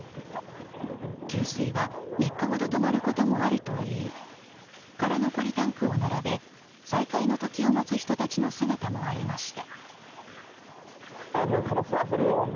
給水は３日ほど止まることもあるといい空のポリタンクを並べ再開の時を待つ人たちの姿もありました。